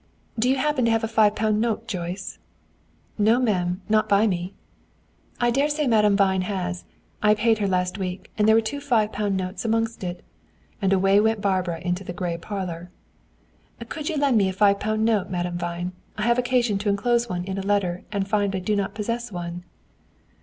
"Do you happen to have a five pound note, Joyce?" "No, ma'am, not by me." "I dare say Madame Vine has. I paid her last week, and there were two five pound notes amongst it." And away went Barbara to the gray parlor. "Could you lend me a five pound note, Madame Vine? I have occasion to enclose one in a letter, and find I do not possess one."